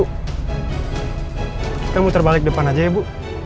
kita muter balik depan aja ya bu